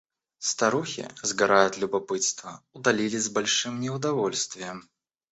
Старухи, сгорая от любопытства, удалились с большим неудовольствием.